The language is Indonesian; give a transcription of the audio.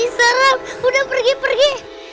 seram udah pergi pergi